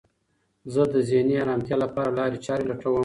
زه د ذهني ارامتیا لپاره لارې چارې لټوم.